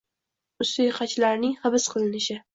musiqachilarining hibs qilinishi